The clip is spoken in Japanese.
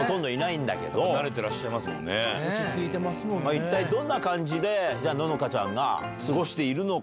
一体どんな感じでののかちゃんが過ごしているのか。